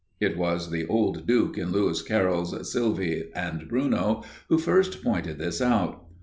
It was the old Duke in Lewis Carroll's "Sylvie and Bruno" who first pointed this out.